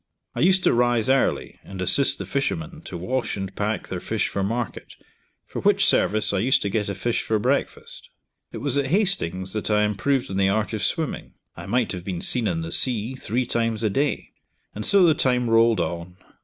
I used to rise early and assist the fishermen to wash and pack their fish for market, for which service I used to get a fish for breakfast. It was at Hastings that I improved in the art of swimming; I might have been seen in the sea, three times a day; and so the time rolled on.